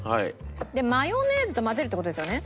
マヨネーズと混ぜるって事ですよね？